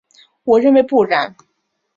我认为不然。